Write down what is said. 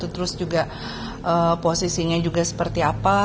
terus juga posisinya juga seperti apa